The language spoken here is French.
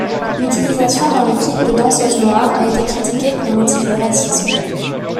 L’utilisation dans le clip de danseuses noires a été critiquée pour motif de racisme.